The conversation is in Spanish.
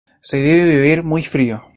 Se debe beber muy frío.